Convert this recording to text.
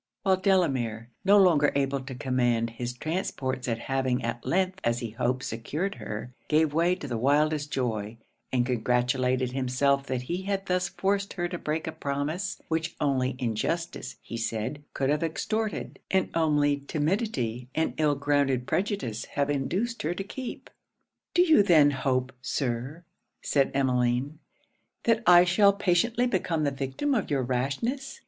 While Delamere, no longer able to command his transports at having at length as he hoped secured her, gave way to the wildest joy, and congratulated himself that he had thus forced her to break a promise which only injustice he said could have extorted, and only timidity and ill grounded prejudice have induced her to keep. 'Do you then hope, Sir,' said Emmeline, 'that I shall patiently become the victim of your rashness?